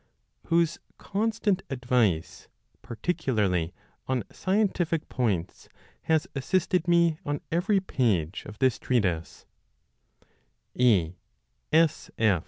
whose con stant advice, particularly on scientific points, has assisted me on every page of this treatise. E.